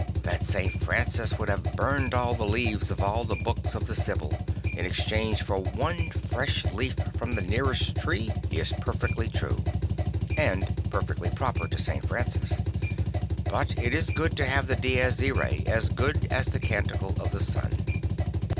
That St. Francis would have burned all the leaves of all the books of the Sybil, in exchange for one fresh leaf from the nearest tree, is perfectly true; and perfectly proper to St. Francis. But it is good to ha ve the Dies Irae as well as the Canticle of the Sun.